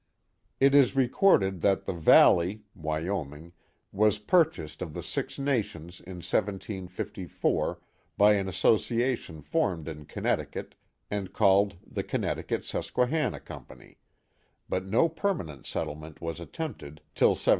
It is recorded that *' the valley (Wyoming) was purchased of the Six Nations in 1754, by an association formed in Con necticut, and called the Connecticut Susquehanna Company; but no permanent settlement was attempted till 1762.